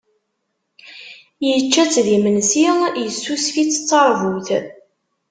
Yečča-tt d imensi, yessusef-itt d tarbut.